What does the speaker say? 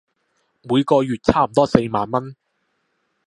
每個月差唔多四萬文